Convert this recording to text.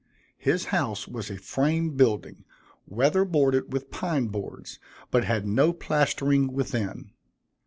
His house was a frame building, weather boarded with pine boards, but had no plastering within.